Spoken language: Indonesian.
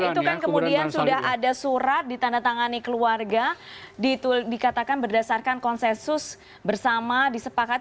tapi itu kan kemudian sudah ada surat ditandatangani keluarga dikatakan berdasarkan konsensus bersama disepakati